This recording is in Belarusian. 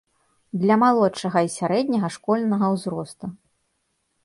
Для малодшага і сярэдняга школьнага ўзросту.